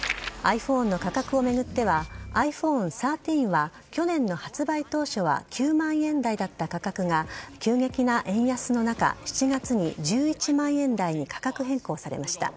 ｉＰｈｏｎｅの価格を巡ってはｉＰｈｏｎｅ１３は去年の発売当初は９万円台だった価格が急激な円安の中、７月に１１万円台に価格変更されました。